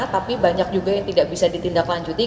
tapi banyak juga yang tidak bisa ditindaklanjuti